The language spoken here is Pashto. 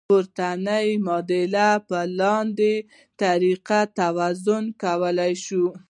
پورتنۍ معادله په لاندې طریقو توازن کولی شئ.